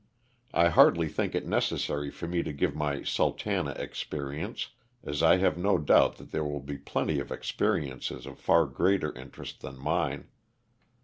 I hardly think it necessary for me to give my Sultana" experience, as I have no doubt that there will be plenty of experiences of far greater interest than mine.